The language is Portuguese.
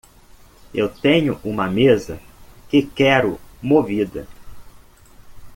Eu tenho uma mesa que quero movida.